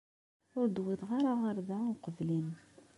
Ur d-wwiḍeɣ ara ɣer da uqbel-im.